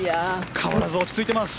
変わらず落ち着いています。